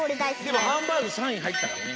でもハンバーグ３いにはいったからね。